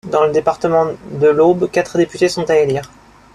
Dans le département des l'Aube, quatre députés sont à élire.